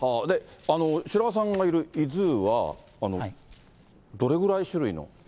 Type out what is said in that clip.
白輪さんがいるイズーはどれぐらい酒類の？